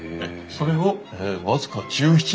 それを僅か１７日間。